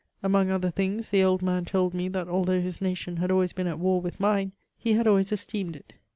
Among other things, the old man told me that although his nation had always been at war with mine, he had always esteemed it.